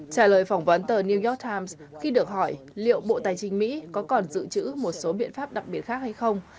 trả lời phỏng vấn tờ new york times khi được hỏi liệu bộ tài chính mỹ có còn dự trữ một số biện pháp đặc biệt khác hay không